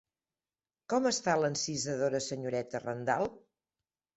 Com està l'encisadora senyoreta Randal?